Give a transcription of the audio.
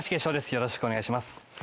よろしくお願いします。